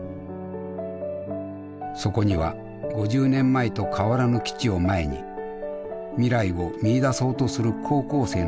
そこには５０年前と変わらぬ基地を前に未来を見いだそうとする高校生の姿がありました。